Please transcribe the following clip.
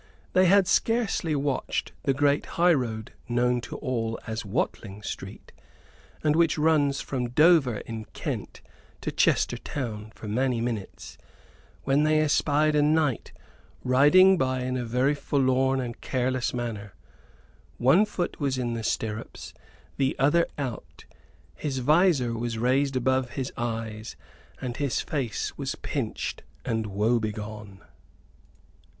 They had scarcely watched the great highroad known to all as Watling Street (and which runs from Dover in Kent to Chester town) for many minutes, when they espied a knight riding by in a very forlorn and careless manner. One foot was in the stirrups, the other out; his visor was raised above his eyes, and his face was pinched and woebegone.